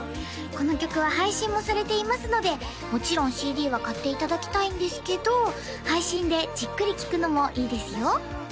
この曲は配信もされていますのでもちろんＣＤは買っていただきたいんですけど配信でじっくり聴くのもいいですよ